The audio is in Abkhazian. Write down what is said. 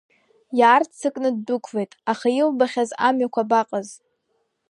Иаарццакны ддәықәлеит, аха илбахьаз амҩақәа абаҟаз…